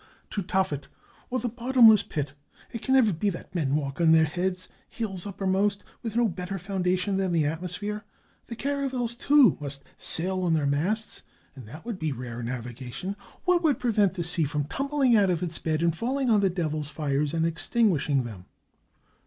— to Tophet, or the bottom 479 SPAIN less pit. It can never be that men walk on their heads, heels uppermost, with no better foundation than the atmosphere. The caravels, too, must sail on their masts — and that would be rare navigation ! What would prevent the sea from tumbling out of its bed, and falHng on the devil's fires and extinguishing them?"